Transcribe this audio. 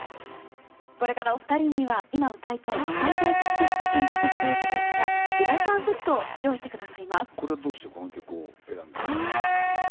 これからお二人には今歌いたい伝えたい曲として選曲して頂いたこれはどうしてこの曲を選んだんですか？